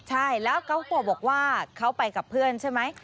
ใช่แล้วเขาก็บอกว่าเขาไปกับเพื่อนใช่ไหม